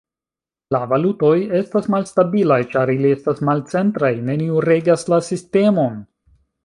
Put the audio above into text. La valutoj estas malstabilaj ĉar ili estas malcentraj, neniu regas la sistemon.